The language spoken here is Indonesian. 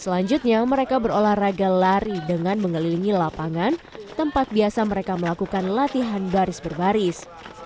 selanjutnya mereka berolahraga lari dengan mengelilingi lapangan tempat biasa mereka melakukan latihan baris berbaris